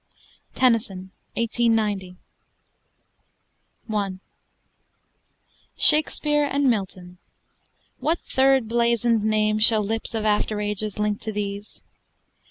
TENNYSON (1890) I Shakespeare and Milton what third blazoned name Shall lips of after ages link to these?